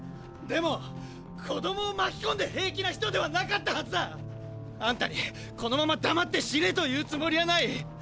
でも子供を巻き込んで平気な人ではなかったはずだ！！あんたにこのまま黙って死ねと言うつもりはない！！